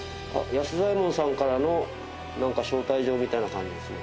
安左エ門さんからのなんか招待状みたいな感じですね。